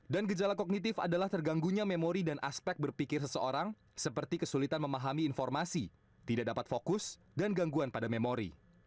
gejala kognitif adalah terganggunya memori dan aspek berpikir seseorang seperti kesulitan memahami informasi tidak dapat fokus dan gangguan pada memori